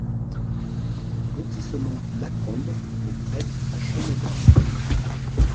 Lotissement la Combe au Prêtre à Chemaudin